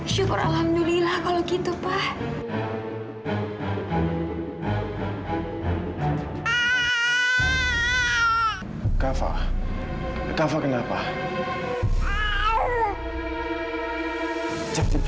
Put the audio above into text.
sudah cukup kak fadil